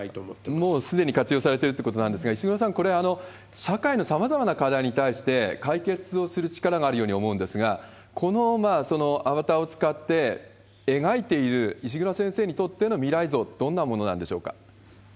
もうすでに活用されてるということなんですが、石黒さん、これ、社会のさまざまな課題に対して、解決をする力があるように思うんですが、このアバターを使って描いている石黒先生にとっての未来像、どんなものなんでしょうか？